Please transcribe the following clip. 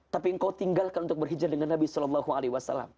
tapi engkau tinggalkan untuk berhijjah dengan nabi saw